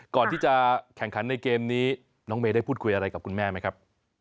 ก่อนที่จะแข่งขันในเกมนี้น้องเมย์ได้พูดคุยอะไรกับคุณแม่ไหมครับ